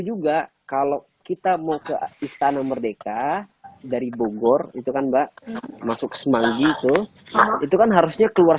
juga kalau kita mau ke istana merdeka dari bogor itu kan mbak masuk semanggi itu itu kan harusnya keluar